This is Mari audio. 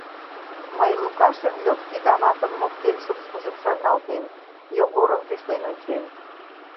Мый Лукашын лёгкий тамакым моктен шупшмыжым шарналтем, Йогорым тӱслен ончем.